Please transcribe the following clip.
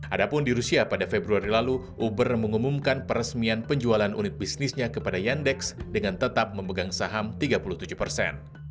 adapun di rusia pada februari lalu uber mengumumkan peresmian penjualan unit bisnisnya kepada yandex dengan tetap memegang saham tiga puluh tujuh persen